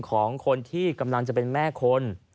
ของคนที่กำลังจะเป็นแม่คน